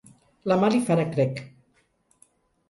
La mà li farà crec.